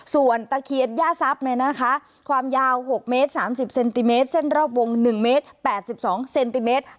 ส่วนตะเคียนย่าทรัพย์ความยาว๖เมตร๓๐เซนติเมตรเส้นรอบวง๑เมตร๘๒เซนติเมตร